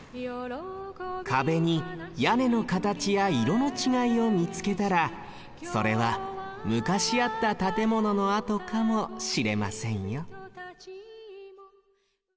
かべにやねのかたちやいろのちがいをみつけたらそれはむかしあった建物のあとかもしれませんよ